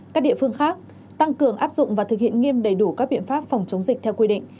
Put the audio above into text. các địa phương khác tăng cường áp dụng và thực hiện nghiêm đầy đủ các biện pháp phòng chống dịch theo quy định